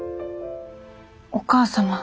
お母様。